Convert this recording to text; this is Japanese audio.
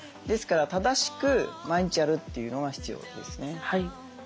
ですから正しく毎日やるというのは必要ですね。